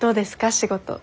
仕事。